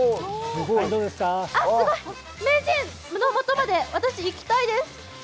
すごい、名人そのもとまで私、行きたいです。